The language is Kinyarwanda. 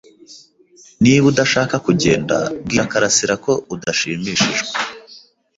Niba udashaka kugenda, bwira karasira ko udashimishijwe.